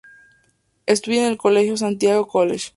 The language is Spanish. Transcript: Estudia en el colegio Santiago College.